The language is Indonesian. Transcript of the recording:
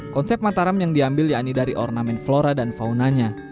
konsep mataram yang diambil yakni dari ornamen flora dan faunanya